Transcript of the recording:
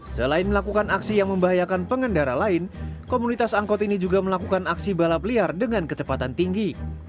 selain melakukan aksi yang membahayakan pengendara lain komunitas angkot ini juga melakukan aksi balap liar dengan kecepatan tinggi